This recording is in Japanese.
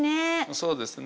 そうですね。